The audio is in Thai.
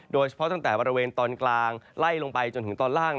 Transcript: ตั้งแต่บริเวณตอนกลางไล่ลงไปจนถึงตอนล่าง